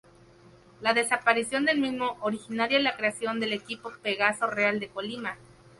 La desaparición del mismo originaría la creación del equipo Pegaso Real de Colima.